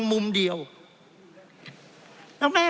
เพราะเรามี๕ชั่วโมงครับท่านนึง